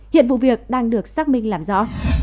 hiện vụ việc đang được xác minh làm rõ